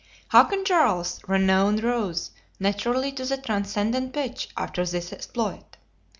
Hakon Jarl's renown rose naturally to the transcendent pitch after this exploit.